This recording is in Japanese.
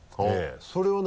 それを何？